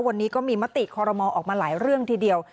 วันนี้ก็มีมติคอรมอออกมาหลายเรื่องทีเดียว